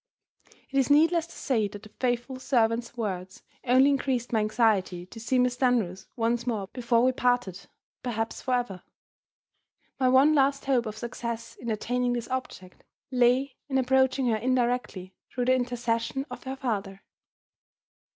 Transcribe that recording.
It is needless to say that the faithful servant's words only increased my anxiety to see Miss Dunross once more before we parted perhaps forever. My one last hope of success in attaining this object lay in approaching her indirectly through the intercession of her father.